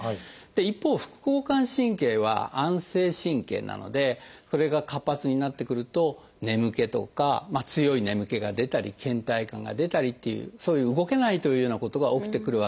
一方副交感神経は安静神経なのでそれが活発になってくると眠気とか強い眠気が出たりけん怠感が出たりっていうそういう動けないというようなことが起きてくるわけです。